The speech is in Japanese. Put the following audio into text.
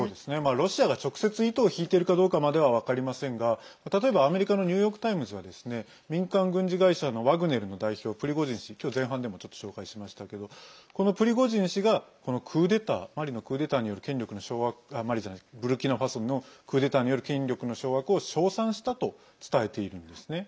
ロシアが直接糸を引いているかどうかまでは分かりませんが例えば、アメリカのニューヨーク・タイムズは民間軍事会社のワグネルの代表プリゴジン氏今日、前半でも紹介しましたけどこのプリゴジン氏がブルキナファソのクーデターによる権力の掌握を称賛したと伝えているんですね。